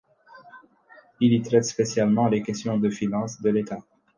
Il y traite spécialement les questions de finances de l'État.